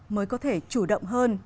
mới có thể chủ động hơn